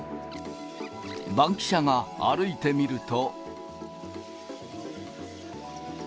バンキシャが歩いてみると。